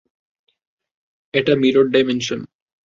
এটা mirror dimension.